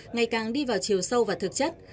ngày càng đi vào chiều sâu và thực chất